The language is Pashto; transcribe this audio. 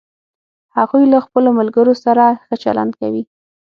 هغوی له خپلوملګرو سره ښه چلند کوي